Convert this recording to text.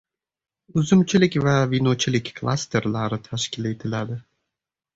Uzumchilik va vinochilik klasterlari tashkil etiladi